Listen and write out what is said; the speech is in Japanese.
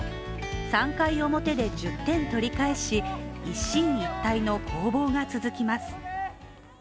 ３回表で１０点取り返し一進一退の攻防が続きます。